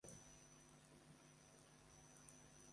তিনি মুহাম্মাদের তাবুর প্রহরার দায়িত্বে ছিলেন।